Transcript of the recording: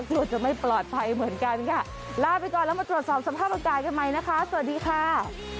กลัวจะไม่ปลอดภัยเหมือนกันค่ะลาไปก่อนแล้วมาตรวจสอบสภาพอากาศกันใหม่นะคะสวัสดีค่ะ